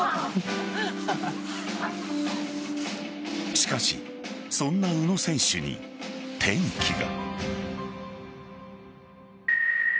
しかしそんな宇野選手に転機が。